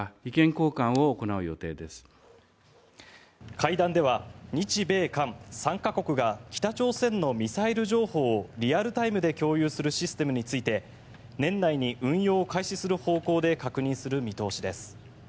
会談では日米韓３か国が北朝鮮のミサイル情報をリアルタイムで共有するシステムについて年内に運用を開始する方向で確認する見通しです。